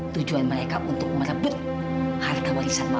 tujuan mereka untuk memanfaatkan diri mereka untuk berada di rumah ini